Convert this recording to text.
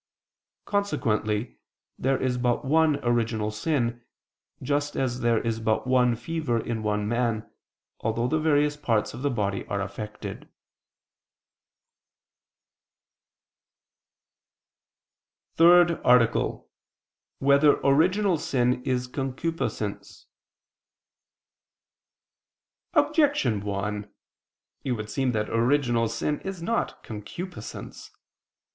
Consequently there is but one original sin: just as there is but one fever in one man, although the various parts of the body are affected. ________________________ THIRD ARTICLE [I II, Q. 82, Art. 3] Whether Original Sin Is Concupiscence? Objection 1: It would seem that original sin is not concupiscence.